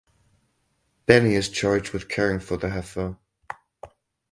Benni is charged with caring for the heifer.